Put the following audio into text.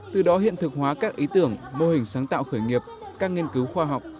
từ đó hiện thực hóa các ý tưởng mô hình sáng tạo khởi nghiệp các nghiên cứu khoa học